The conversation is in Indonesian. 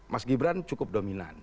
mas gibran cukup dominan